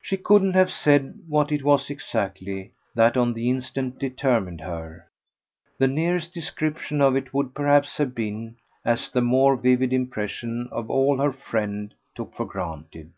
She couldn't have said what it was exactly that on the instant determined her; the nearest description of it would perhaps have been as the more vivid impression of all her friend took for granted.